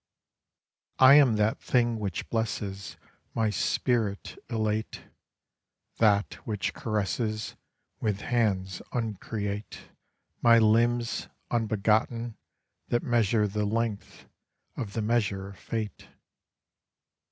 I am that thing which blesses My spirit elate; That which caresses With hands uncreate My limbs unbegotten that measure the length of the measure of fate.